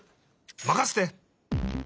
まかせて！